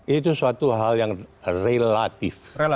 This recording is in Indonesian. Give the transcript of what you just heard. itu suatu hal yang relatif